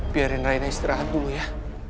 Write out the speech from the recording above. biarin raina istirahat dulu ya